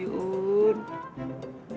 sading gak kena